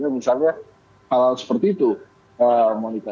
misalnya hal hal seperti itu monika